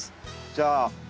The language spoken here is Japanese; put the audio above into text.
じゃあ。